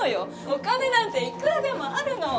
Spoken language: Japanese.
お金なんていくらでもあるの。